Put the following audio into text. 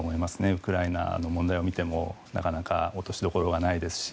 ウクライナの問題を見てもなかなか落としどころがないですし。